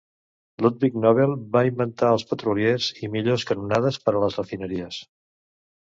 Ludvig Nobel va inventar els petroliers i millors canonades per a les refineries.